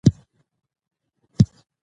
د پروژو مدیریت پیچلی او وخت ضایع کوونکی دی.